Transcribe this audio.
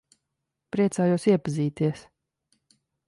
Priecājos iepazīties.